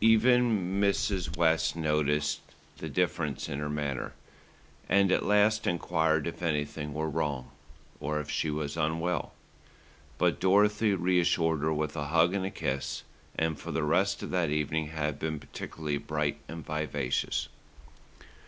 Even Mrs. West noticed the difference in her manner, and at last enquired if anything were wrong, or if she were unwell; but Dorothy reassured her with a hug and a kiss, and for the rest of that evening had been particularly bright and vivacious.